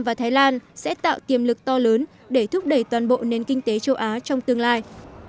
và thái lan sẽ tạo tiềm lực to lớn để thúc đẩy toàn bộ nền kinh tế châu á trong tương lai